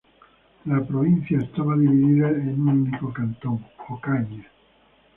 La provincia estaba dividida en un único cantón: Ocaña.